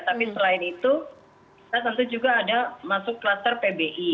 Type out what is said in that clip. tapi selain itu kita tentu juga ada masuk klaster pbi